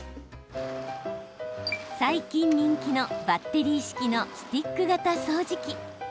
最近人気のバッテリー式のスティック型掃除機。